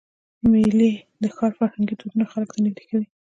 میلې د ښار فرهنګي دودونه خلکو ته نږدې کوي.